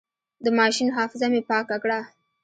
د ماشين حافظه مې پاکه کړه.